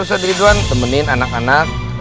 ustadz ridwan temenin anak anak